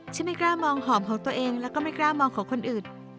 ไม่กล้ามองหอมของตัวเองแล้วก็ไม่กล้ามองของคนอื่น